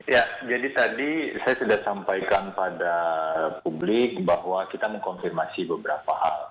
ya jadi tadi saya sudah sampaikan pada publik bahwa kita mengkonfirmasi beberapa hal